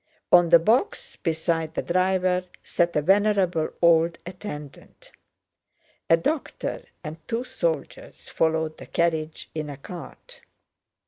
On the box beside the driver sat a venerable old attendant. A doctor and two soldiers followed the carriage in a cart.